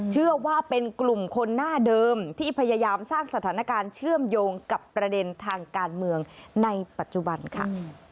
เชื่อว่าเป็นกลุ่มคนหน้าเดิมที่พยายามสร้างสถานการณ์เชื่อมโยงกับประเด็นทางการเมืองในปัจจุบันค่ะ